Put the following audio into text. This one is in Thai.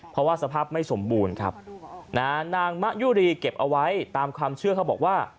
เพราะว่าสภาพไม่สมบูรณ์ครับนะฮะนางมะยุรีเก็บเอาไว้ตามความเชื่อเขาบอกว่า